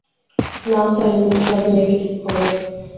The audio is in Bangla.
না স্যার, এগুলোর সবই নেগেটিভ খবর।